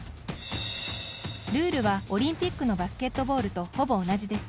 ルールは、オリンピックのバスケットボールとほぼ同じです。